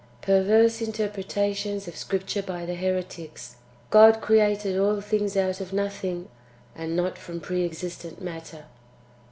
— Perverse interpretations of Scripture hy the heretics: God created all tilings out of nothing, and not from pre existent matter.